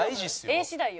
絵次第よ。